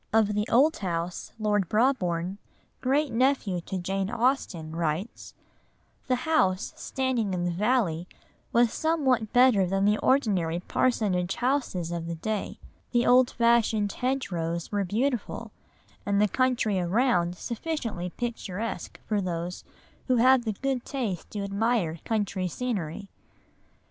Of the old house, Lord Brabourne, great nephew to Jane Austen, writes: "The house standing in the valley was somewhat better than the ordinary parsonage houses of the day; the old fashioned hedgerows were beautiful, and the country around sufficiently picturesque for those who have the good taste to admire country scenery."